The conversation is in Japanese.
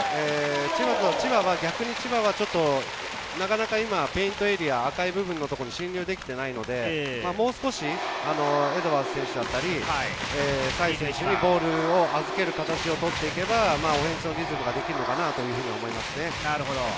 千葉は逆になかなかペイントエリアに侵入できていないので、もう少しエドワーズ選手や、サイズ選手にボールを預ける形を取っていけば、オフェンスのリズムができるのかなと思いますね。